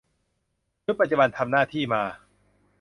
ชุดปัจจุบันทำหน้าที่มา